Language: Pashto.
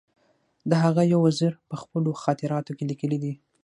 د هغه یو وزیر په خپلو خاطراتو کې لیکلي دي.